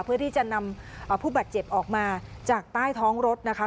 เพื่อที่จะนำผู้บาดเจ็บออกมาจากใต้ท้องรถนะคะ